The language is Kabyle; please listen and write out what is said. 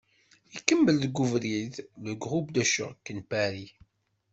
Ikemmel deg ubrid "Le groupe de choc" n Pari.